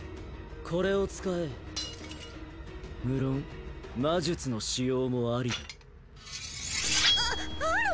これを使え無論魔術の使用もありだアアル！？